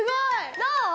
どう？